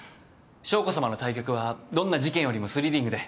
将子さまの対局はどんな事件よりもスリリングで。